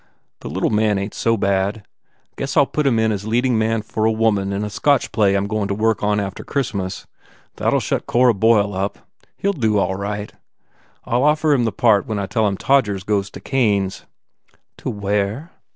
The little man ain t so bad. Guess I ll put him in as leading man for a woman in a Scotch play I m going to work on after Christmas. That ll shut Cora Boyle up. He ll do, all right. I ll offer him the part when I tell him Todgers goes to Cain s." To where?"